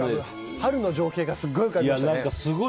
春の情景がすごい浮かびましたね。